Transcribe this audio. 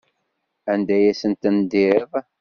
Anda ay asent-tendiḍ?